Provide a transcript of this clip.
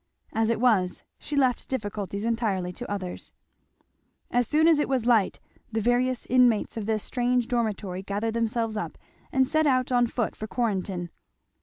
As it was, she left difficulties entirely to others. As soon as it was light the various inmates of the strange dormitory gathered themselves up and set out on foot for Quarrenton.